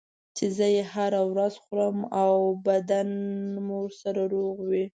چې زه یې هره ورځ خورم او بدنم ورسره روغ وي.